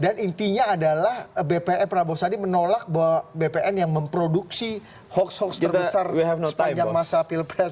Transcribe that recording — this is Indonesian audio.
dan intinya adalah bpn prabowo sadi menolak bahwa bpn yang memproduksi hoax hoax terbesar sepanjang masa pilpres